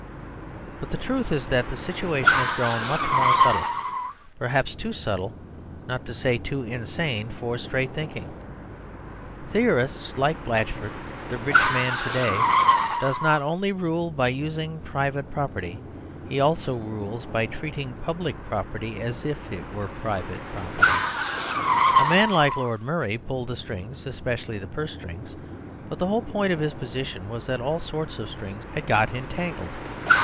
But the truth is that the situation has grown much more subtle; perhaps too subtle, not to say too insane, for straight thinking theorists like Blatchford. The rich man to day does not only rule by using private property; he also rules by treating public property as if it were private property. A man like Lord Murray pulled the strings, especially the purse strings; but the whole point of his position was that all sorts of strings had got entangled.